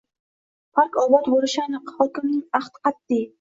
Park obod boʻlishi aniq – hokimning ahdi qatʼiy...